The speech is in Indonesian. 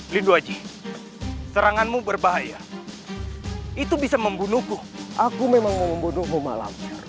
lidu haji seranganmu berbahaya itu bisa membunuhku aku memang membunuhmu malam